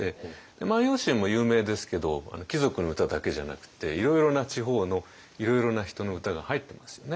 「万葉集」も有名ですけど貴族の歌だけじゃなくていろいろな地方のいろいろな人の歌が入ってますよね。